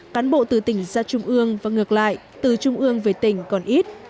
cán bộ từ tỉnh ra trung ương và ngược lại từ trung ương về tỉnh còn ít